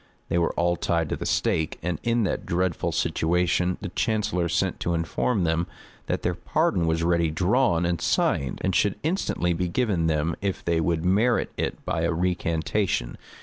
They were all tied to the stake; and in that dreadful situation the chancellor sent to inform them, that their pardon was ready drawn and signed, and should instantly be given them if they would merit it by a recantation.